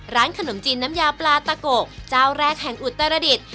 ร้านขนมจีนน้ำยาปลาตะโกะเจ้าแรกแห่งอุตรดิษฐ์